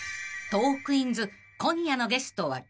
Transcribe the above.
［『トークィーンズ』今夜のゲストは］